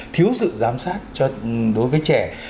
thiếu sự giám sát đối với trẻ